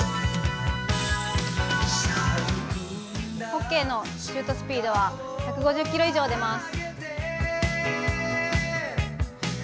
ホッケーのシュートスピードは１５０キロ以上出ます。